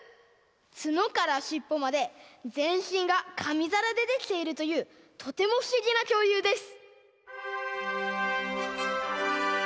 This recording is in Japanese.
つのからしっぽまでぜんしんがかみざらでできているというとてもふしぎなきょうりゅうです。